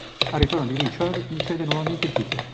Al ritorno di Richard, gli cede nuovamente il titolo.